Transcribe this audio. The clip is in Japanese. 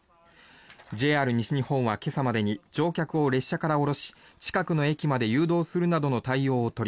ＪＲ西日本は今朝までに乗客を列車から降ろし近くの駅まで誘導するなどの対応を取り